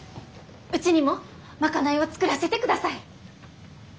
うちにも賄いを作らせてください！